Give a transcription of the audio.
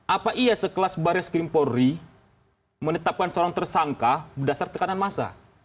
apa iya sekelas barreskrimpori menetapkan seorang tersangka berdasar tekanan massa